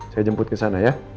saya jemput ke sana ya